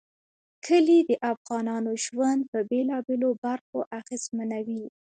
کلي د افغانانو ژوند په بېلابېلو برخو اغېزمنوي.